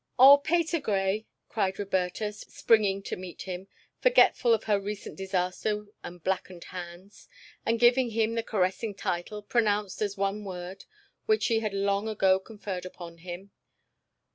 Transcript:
"Oh, Patergrey," cried Roberta, springing to meet him, forgetful of her recent disaster and blackened hands, and giving him the caressing title pronounced as one word which she had long ago conferred upon him.